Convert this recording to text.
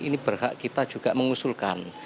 ini berhak kita juga mengusulkan